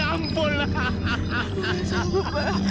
aku tidak sanggup ma